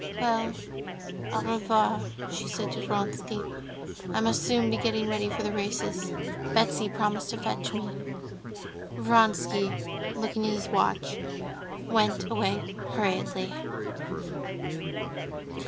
"Well, au revoir," she said to Vronsky. "I must soon be getting ready for the races. Betsy promised to fetch me." Vronsky, looking at his watch, went away hurriedly.